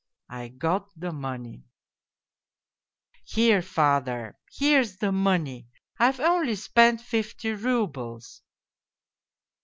I got the money : "'Here, father, here's the money. I've only spent fifty roubles.'